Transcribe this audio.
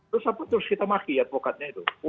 terus apa terus kita maki advokatnya itu